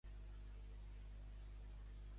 Què van reproduir als Leavesden Studios?